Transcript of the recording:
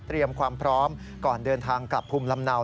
ความพร้อมก่อนเดินทางกลับภูมิลำเนา